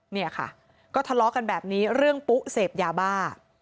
เนี่ยค่ะก็ทะเลาะกันแบบนี้เรื่องปุ๊เสพยาบ้า